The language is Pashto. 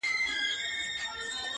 امیر ورکړه یو غوټه د لوټونو؛